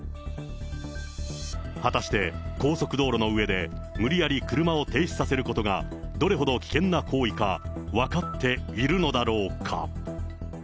果たして、高速道路の上で、無理やり車を停止させることがどれほど危険な行為か分かっているのだろうか。